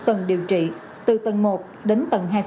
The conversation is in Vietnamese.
và điều trị từ tầng một đến tầng hai năm